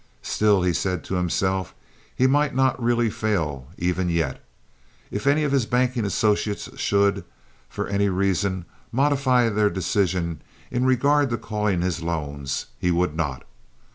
Still, he said to himself, he might not really fail even yet. If any of his banking associates should, for any reason, modify their decision in regard to calling his loans, he would not.